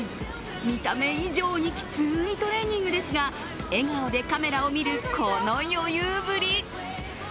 見た目以上にきついトレーニングですが、笑顔でカメラを見るこの余裕ぶり。